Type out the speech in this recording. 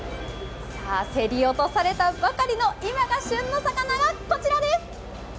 競り落とされたばかりの今が旬の魚がこちらです。